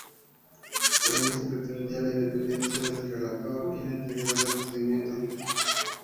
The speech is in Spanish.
Con ello se pretendía la independencia del relator y la integridad del procedimiento.